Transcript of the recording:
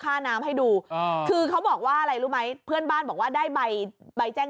โอ้ยพี่อยู่กัน๓คนน้องเอ้ยซัก๕อาทิตย์ละ๒ครั้ง